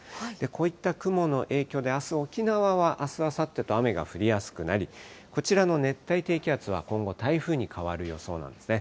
こういった雲の影響であす、沖縄は、あす、あさってと雨が降りやすくなり、こちらの熱帯低気圧は今後台風に変わる予想なんですね。